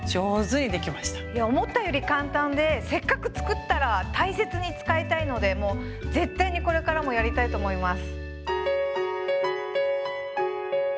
いや思ったより簡単でせっかく作ったら大切に使いたいのでもう絶対にこれからもやりたいと思います。